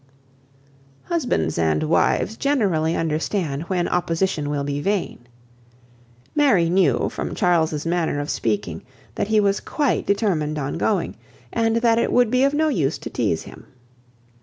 Husbands and wives generally understand when opposition will be vain. Mary knew, from Charles's manner of speaking, that he was quite determined on going, and that it would be of no use to teaze him.